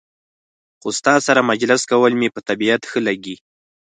خو ستا سره مجلس کول مې په طبیعت ښه لګي.